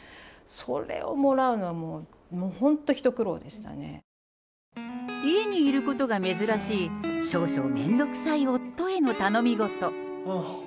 それをもらうのも、家にいることが珍しい、少々面倒くさい夫への頼み事。